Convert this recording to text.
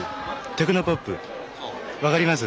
テクノポップ分かります？